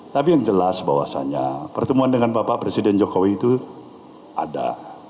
tapi yang jelas bahwasannya pertemuan dengan bapak presiden jokowi itu ada